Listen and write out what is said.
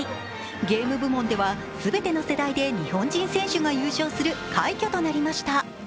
ゲーム部門では全ての世代で日本人選手が優勝する快挙となりました。